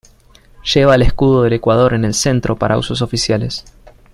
Lleva el escudo del Ecuador en el centro para usos oficiales.